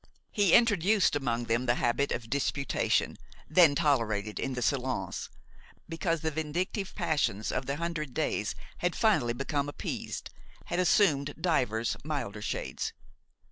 He introduced among them the habit of disputation, then tolerated in the salons, because the vindictive passions of the Hundred Days had finally become appeased, had assumed divers milder shades.